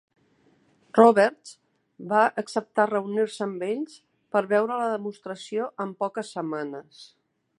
Roberts va acceptar reunir-se amb ells per veure la demostració en poques setmanes.